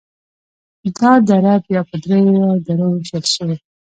دا دره بیا په دریو درو ویشل شوي: